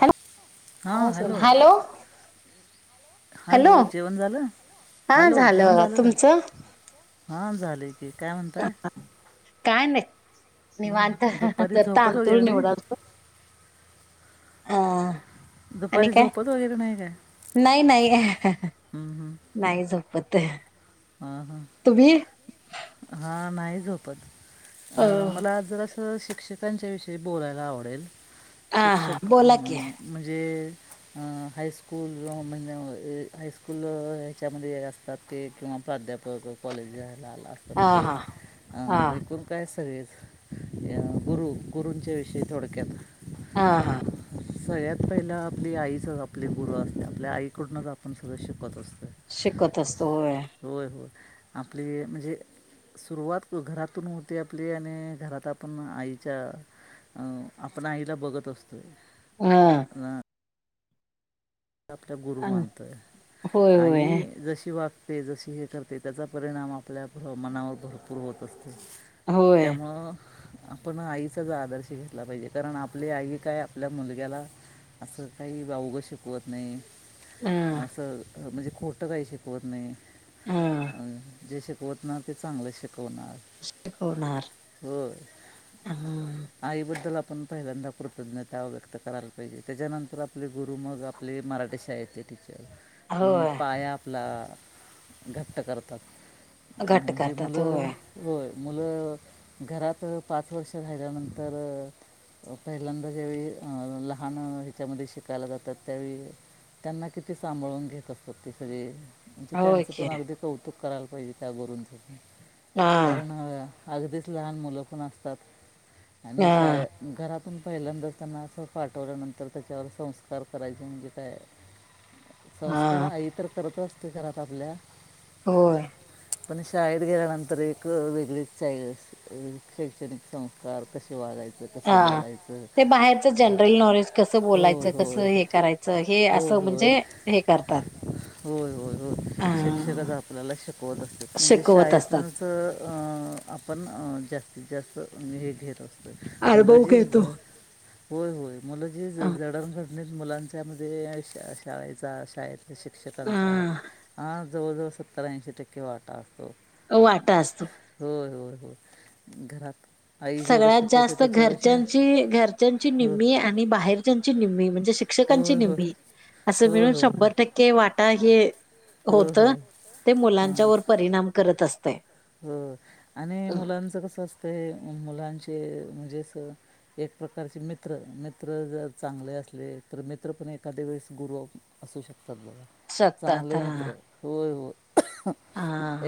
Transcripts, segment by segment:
Hello! [unintelligible] Hello! Hello! जेवण झालं? Hello! जेवण झालं का? हा झाले. काय म्हणताय? काय नाही,, निवांत जरा तांदुळ निवडालतो. हा, दुपारी झोपत वगैरे नाही काय? नाही, नाही, नाही [unintelligible] झोपत. ह, ह, हां नाही झोपत, मला आ जराऽऽ शिक्षकांच्या विषयी बोलायला आवडेल,, शिक्षक अं म्हणजेऽऽ हायस्कूल, म्हणजे हायस्कूल [inaudible] ह्याच्यामध्ये असतात ते किंवाऽऽ प्राध्यापक कॉलेज् यला आला असतात ते अ एकूण कायऽऽ गुरु, गुरूंच्या विषयी थोडक्यातऽऽ ह, हा, सगळ्यात पहिलं आपली आईचं आपले गुरु असत्या,, आपल्या आईकडूनच आपण सगळं शिकत असतोय. शिकत असतो, होय. आपली म्हणजे सुरुवात घरातून होते आपली,, आणि घरात आपण आईच्याऽऽ अं ऽआपण आईला बघत असतो. हम, आपल्या गुरु मानतोय,, आई जशी वा ते जशी हे करते,, त्याचा परिणाम आपल्या भ मनावर भरपूर होत असतो. त्यामुळंऽऽ आपण आईचाच आदर्श घेतला पाहिजे,, कारण आपली आई काय आपल्या मुलग्यालाऽऽ असं काही वावगं शिक शिकवत नाही,, असं म्हणजे खोट काही शिकवत नाही. अऽ जे शिकवते ना ते चांगलं शिक णार,, हो,, आईबद्दल आप आपण पहिल्यांदा कृतज्ञता व्यक्त करायला पाहिजे,, त्याच्यानंतर आपले गुरु मग आप आपले मराठी शाळेचे टीचर,,, आ णि पाया आपला घट्ट करतात म्हणजे,, मुलं,, होय. मुलं, घरात पाच वर्ष राहिल्यानंतर... पहिल्यांदा ज्यावेळी, लहान ह्याच्यामध्ये शिकायला जातात त्यावेळी, त्यांना किती सांभाळून घेत असतात ते सगळे,, म्हणजे त्यांचं पण अगदी कौतुक करायला पाहिजे त्या गुरूंच, कारण अगदीच लहान मुलंपण असतात,, आणि शाळा अं घरातऽऽ पहिल्यांदाच त्यांना असं पाठवल्यानंतर त्याच्यावर संस्कार करायचे म्हणजे काय? संस्कार आई तर करत असते घरात आपल्या होय, पण शाळेत गेल्यानंतर एक वेगळीच शैक्षणिक संस्कार कसे ह ते बाहेरच जनरल नॉलेज कसं बोलायचं? कसं? करायच हे अस म्हणजे हे करतात होय होय होय शिक्षकच आपल्याला शिकवत असते म्हणजे शाळेतूनच [inaudible] आपण जास्त जास्त हे घेत असतो मुलं जीच होय होय मुलं जी ज जडणघटणीत मुलांच्यामध्येे श शाळेचाशाळेत शिक्षकांचा ह जवळजवळ सत्तर, ऐंशी टक्के वाटा असतो. हो वाटा असतो हो घरात सगळ्यात जास्त घरच्या घरच्यांची निम्मी आणि बाहेरच्याची निम्मी म्हणजे शिक्ष शिक्षकांची निम्मी असं मिळून हे शंभर टक्के वाटा हे होत ते मुलांच्या व परिणाम करत असते. हो आणि मुलांच कस असतंय मुलां म्हणजे एक प्रकारचे मित्र जर चांगले तर मित्र पाहिजे. आपण एखाद्या वेळेस गुरु असू शकतो चांगले मित्र होय हो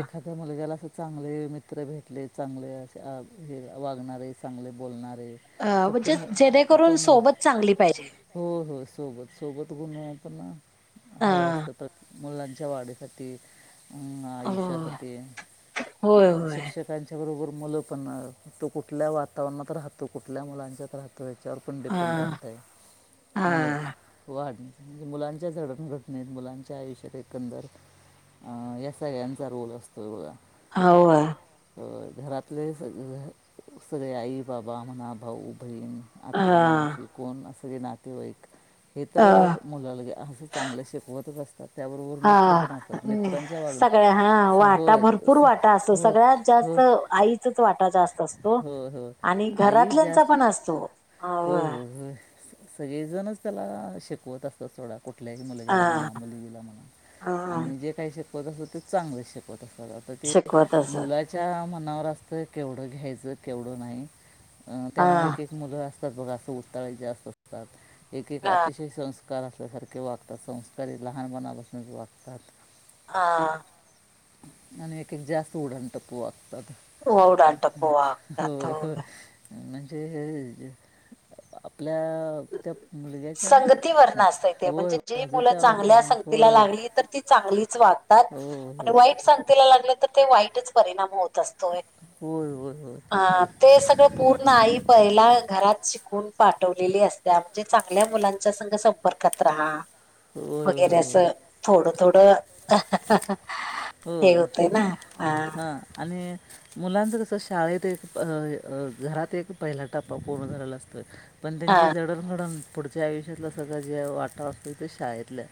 एखाद्या मुलग्याला चांगले मित्र भेटले चांगले असे हे वागणारे चांगले बोलणार अ म्हणजे जेणेकरून सोबत चांगली पाहिजे. हो हो सोबत सोबत गुण पण हवा असतो. मुलांच्या वाढीसाठी आयुष्यासाठी होय होय. बरोबर मुलं पण तो कुठल्या वातावरणात राहतो कुठल्या मुलांच्यात राहतो. तर याच्यावर पण डिपेंड राहत आहे मुलं वाढ म्हणजे मुलांच्या झडण घटनेत मुलांच्या आयुष्यात एकंदर अ या सगळ्यांचा रोल असतो बघा. होवा. तर घरातले सग सगळे आई बाबा म्हणा भाऊ बहीण आत्या मावशी कोण असं नातेवाईक हे तर मुलाला असं चांगलं शिकवतच असते. हा सगळ्या हा वाटा भरपूर वाटा असतात. सगळ्यात जास्त आईचाच वाटा जास्त असतो आणि घरातल्यांचा पण असतो. होय होय होय सगळेजणच त्याला शिकवत असतात सोडा कुठल्याही मुलग्याला म्हणा मुलगीला म्हणा आणि जे काही शिकवत पण ते सगळं चांगलं शिकवतात. मुलाच्या मनावर असतं केवढं घ्यायचं केवढं नाही त्यामुळे एक एक मुल असतात बघा उतारे जास्त असतात एक एक अतिशय संस्कार कार असल्यासारखे वागतात संस्कारी लहानपणापासूनच वागतात. हा. एकेक जास्त उडान टप्पू उडान टप्पू [unintelligible] म्हणजे जे आपल्या त्या मुलग्याच्या वोय बाजूच्या वातावरण वोय एकतर ती चांगलीच वागतात वाईट संगतीला लागली की वाईटच परिणाम होत अ ते सगळं पूर्ण आई पहिला घरात शकते. कोण पाठवलेले असतात चांगल्या मुलांच्या संपर्कात रहा वगैरे अस थोडं थोडं. हे होतय ना हा. मुलांच कसं शाळेत एक घरात एक पहिला टप्पा पूर्ण झालेला असतोय पण त्यांची जडणघडण पुढच्या आयुष्यातला सगळं जे वाटा असतो ते शाळेत तले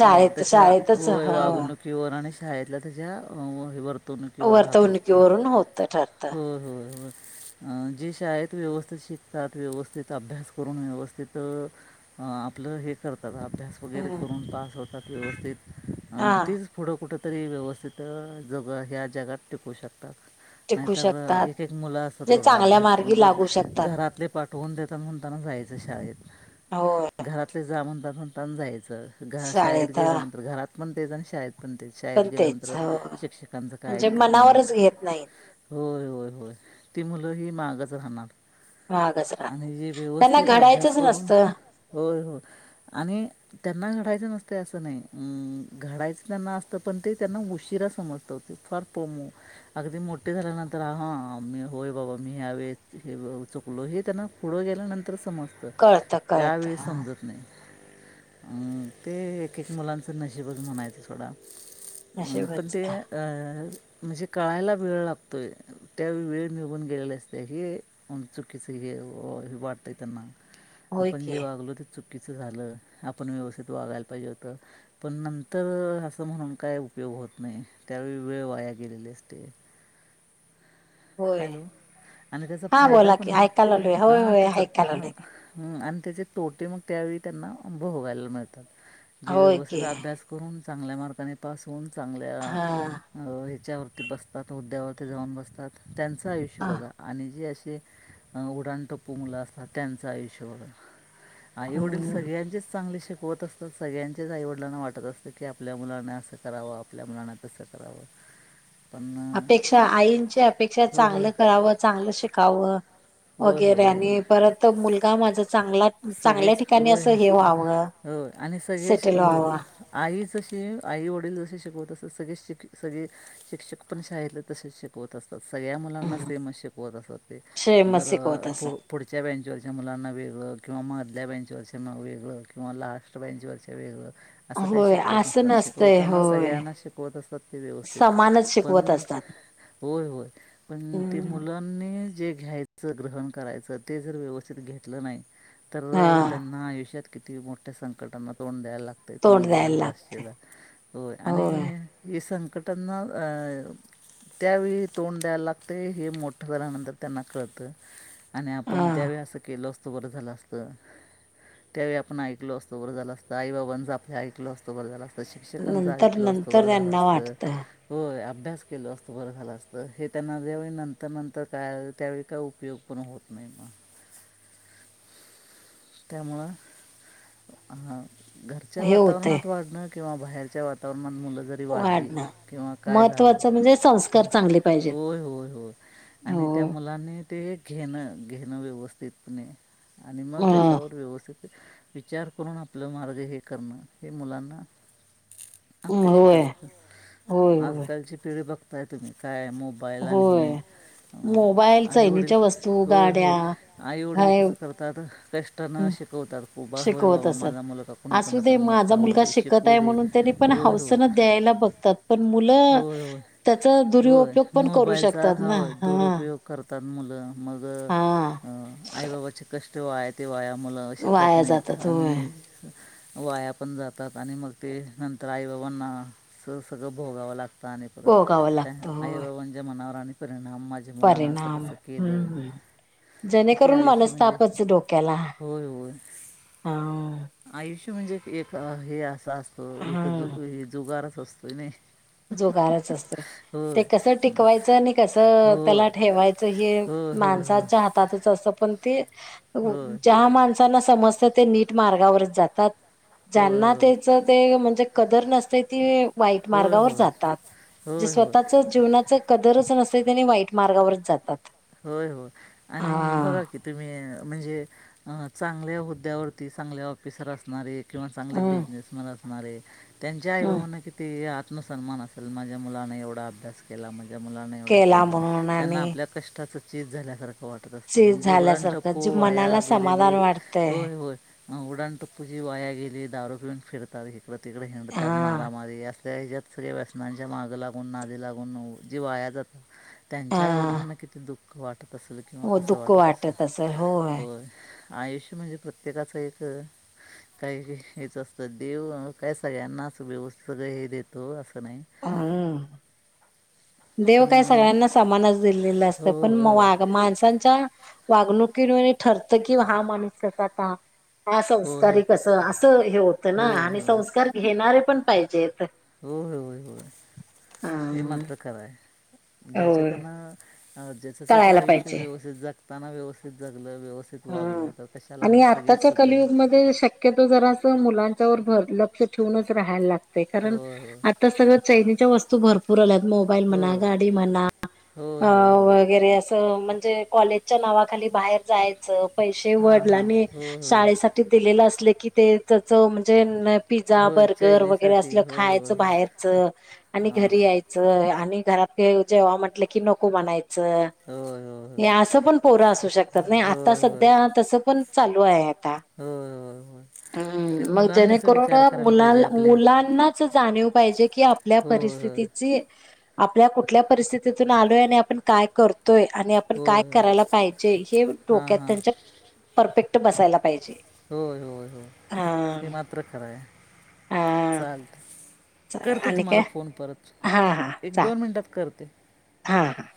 हो त्याच्या व्हय वागणुकीवर आणि शाळेतल्या त्याच्या अ हे वर्त वर्तवणुकीवरून होत ठर होय हो जे शाळेत व्यवस्थित शिकतात व्यवस्थित अभ्यास करून व्यवस्थित अ आपलं हे करत अभ्यास वगैरे करून पास होतात व्यवस्थित तीच पुढं कुठं तरी व्यवस्थित जगं ह्या जगात टिकू शकतात. नाहीतर एक एक मुलं असतात बघा अभ्यास बगवत घरातले पाठवून देतात म्हणून त्यांना जायचं शाळेत घरातले जा म्हणतात म्हणताण जायचं घरा शाळेत गेल्यानंतर घरात पण तेच आणि शाळेत पण ते शाळेत गेल्यानंतर शिक्षकांचं काय ऐकत नाहीत होय होय होय ती मुलं ही मागच राहणार. मागच रहा, त्यांना घडायचंच नसतं होय हो, आणि त्यांना घडायचं नसत ते असं नाही. घडायचं त्यांना असतं, पण ते त्यांना उशिरा समजतं फार पोमो अगदी मोठ ठी झाल्यानंतर, हा आ मी होय बाबा, मी यावेळी हे चुकलो, हे त्यांना पुढं गेल्यानंतर तर समजतं, त्यावेळी समजत नाही. अ, ते एक एक मुलांचं नशीबच म्हणायचं सोडा अ, पण ते, अ, म्हणजे कळायला वेळ लागतो तोय, त्यावेळी वेळ निघून गेलेली असते, हे चुकीचं हे वाटतं त्यांना आपण जे वागलो ते चु कीच झालं, आपण व्यवस्थित वागायला पाहिजे होतं, पण नंतर असं म्हणून काय उपयोग? होत नाही, त्यावेळी वेळ वाया गेलेली असते. हॅलो, आणि त्याचा फायदा पण, हा त्याचा ह अन त्याचे तोटे मग त्यावेळी त्यांना भोवायला मिळतात, जे व्यवस्थित अभ्यास करून चांगल्या मार्काने पास होऊन, चांगल्या त्याच्यावरती बसतात हूद्द्यावरती जाऊन बसतात, त्यांच आयुष्य बघा आणि जे अस जे उडानटप्पू मुलं असतात त्यांचं आयुष्य बघा आई वडील सगळ्यांचेच चांगले श होत असतात, सगळ्यांच्याच आईवडलांना वाटत असतं, की आपल्या मुलांना असं करावं आपल्या मुलांना तसं करावं ह [unintelligible] अपेक्षा, आईंची अपेक्षा चांगलं करावं चांगलं शिकावं वगैरे, आणि परत मुलगा माझा चांगल्या, चांगल्या ठिकाणी असं हे व्हावं सेटल व्हावा तसे आई वडील जसे शिकवत असतात, सगळे शिक् सगळे शिक्षक पण शाळेला तसेच शिकवत असतात. सगळ्या मुलांना सेमच शिकवत असतात ते, बरं पुढच्या बेंचवरच्या मुलांना वेगळ किंवा मधल्या बँंचवरच्याना वेगळं किंवा लास्ट बँंचवरच्या वेगळं असं काही शिकवत नसतात, शिकवताना सगळ्यांना शिकवत असतात ते व्यवस्थित, पण होय, होय, पण ते मुलांनी जे घ्यायचं ग्रहण करायचं, ते जर व्यवस्थित घेतलं नाही तर त्यांना आयुष्यात कि ती मोठ्या संकटांना तोंड दयायला ला ते तुम्ही बघत बसशीला, होय आणी हे संग क त्यांना [unintelligible] त्यावेळी तोंड द्यायला लागतय, हे मोठं झाल्यानंतर त्यांना कळतं. आणि आपण त्यावेळी असं केलं असत, बरं झालं असतं त्यावेळी आपण ऐकलो असतो बरं झालं असतं, आई बाबांच आपल्या ऐकल असतो बरं झालं असत शिक्षकांच ऐकलो असतं बरं झालं असतं, होय आप अभ्यास केलो असतो बरं झालं असतं, हे त्यांना ज्यावेळी नंतर नंतर कळाय त्यावेळी काय उपयोग पण होत नाही मग ह [unintelligible] त्यामुळं घरच्या वातावरणात वाढणं किंवा बाहेरच्या वातावरणात मुलं जरी वाढली किंवा काय झालं. होय होय होय. आणि त्या मुलांनी ते घेणं घेणं व्यवस्थितपणे आणि त्याच्यावर व्यवस्थित विचार करून आपलं मार्ग हे करणं. हे मुलांना अपेक्षित असत. आजकालची पिढी बघताय तुम्ही काय मोबाईल आणि हे मोबाईल, चैनीच्या वस्तू, गाड्या हाय कष्टान शिकवतात. हो बाबा होय बाबा माझा मुलगा कुणीकडन तर मोठा होऊ दे शिकू दे होय होय होय होय होय मोबाईलचा हा दुरुपयोग करतात मुलं. मग आईबाबाचे क कष्ट वाया ते वाया मुलं शिकत नाहीत आणि वाया पण जातात आणि मग ते नंतर आई बाबांना स सगळं भोगावं लागतं. आणि परत त्या आई बाबांच्या मनावर आणि परिणाम हम्म ह जेणेकरून मनस्तापच हो केला हम्म विश म्हणजे एक हे असा असतो एक जु जुगारच असतोय नाही. जूगारच असतोय. ते कसं टिकवायचं आणि कसं त्याला ठेवायचं हे माणसाच्या हातातच होतं पण ते ज्या माणसांना समजत ते नीट मार्गावरच जातात. ज्यांना त्याच ते म्हणजे कदर नसते ती वाईट मार्गावर जातात जे स्वतःच जीवनाच कदरच नसतय त्यानी वाईट मार्गावरच जात्यात. होय होय आणि बघा की तुम्ही म्हणजे चांगल्या हुद्द्यावरती चांगल्या ऑफिसर असणारे किंवा चांगले बिजनेसमन असणारे त्यांच्या आई बाबांना किती आत्मसन्मान असेल माझ्या मुलान एवढा अभ्यास केला माझ्या मुलांन एवढं केलं त्यांना आपल्या तं चीज झाल्यासार वाटत असत जे उडाण टप्पू वाया गेलेली होय होय. उडाणटप्पू जी वाया गेली दारू पिऊन फिरतात हिकडं तिकड हिंडतात मारामारी अस त्या ह्यज्यात [unintelligible] म्हणजे मागे लागून नादी लागून जीव वाया जातो. त्यांच्या आई वडिलांना किती दुःख वाटत तसलं किंवा कसं वाटत असल होय. आयुष्य म्हणजे प्रत्येकाचं एक काही हेच असतं देव काय सगळ्यांना अस व्यवस्थित सगळ हे देतोच अस नाही देव काय सगळ्यांना समानच दिलेलं असतं पण वाग माणसांच्या वागणुकीने ठरतं कि हा माणूस कसा आता हा संस्कारी कस असं हे होतं ना आणि संस्कार घेणारे पण पाहिजेत. होय होय होय हे मात्र खर आहे ज्याच त्यांना ज्याचं त्याचं आयुष्य व्यवस्थित जगताना व्यवस्थित जग हा आणि आताच्या कलियुगमध्ये शक्यतो जरास मुलां च्या वर भर लक्ष ठेवूनच राहायला लागतय कारण आता सगळ चैनीच्या वस्तू भरपूर आल्यात. मोबाईल म्हणा, गाडी म्हणा वगैरे अस म्हणजे कॉलेजच्या नावाखाली बाहेर जायचं. पैसे वडलानी शाळेसाठी दिलेले असले की ते च म्हणजे पिझ्झा, बर्गर वगैरे असलं खायच बाहेरच आणि घरी यायच आणि घरात जेव्हा म्हटलं कि नको म्हणाय च अस पण पोर असू शकतात नाही. आता सध्या तस पण चालू आहे आता हम्म, मग जेणेकरून अ मुला मुलांनाच जाणीव पाहिजे की आपल्या परिस्थितीची आपल्या कुठल्या परिस्थितीतून आलोय आणि आपण काय करतो. तोय आणि आपण काय करायला पाहिजे, हे डोक्यात त्यांच्या परफेक्ट बसायला पाय होय होय होय ते मात्र खरं आहे चालत. करते तुम्हाला फोन परत एक दोन मिनिटात करते. हा हा.